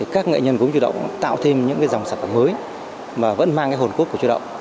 các nghệ nhân gốm chú đậu tạo thêm những dòng sản phẩm mới mà vẫn mang hồn cốt của chú đậu